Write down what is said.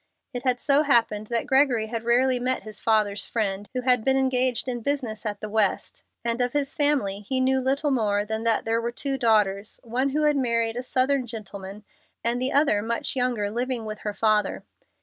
It had so happened that Gregory had rarely met his father's friend, who had been engaged in business at the West, and of his family he knew little more than that there were two daughters one who had married a Southern gentleman, and the other, much younger, living with her father.